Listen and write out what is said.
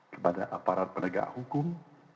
kepada aparat pendekat hukum